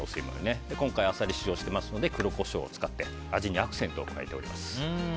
今回、アサリを使用してますので黒コショウを使って味にアクセントを加えております。